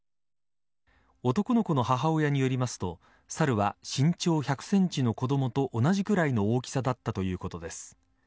男の子の母親によりますとサルは身長１００ｃｍの子供と同じくらいの大きさだったということです。